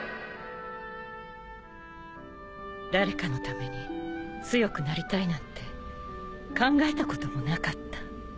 誰かのために強くなりたいなんて考えたこともなかった